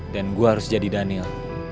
dan gue harus jadi daniel